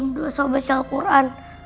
berdoa sampai sel quran